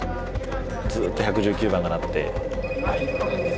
ずっと１１９番が鳴って。